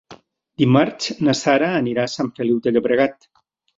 Dimarts na Sara anirà a Sant Feliu de Llobregat.